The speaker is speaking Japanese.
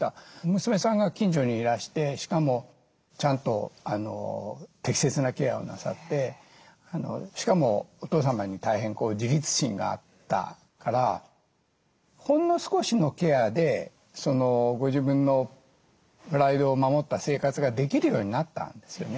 娘さんが近所にいらしてしかもちゃんと適切なケアをなさってしかもお父様に大変自立心があったからほんの少しのケアでご自分のプライドを守った生活ができるようになったんですよね。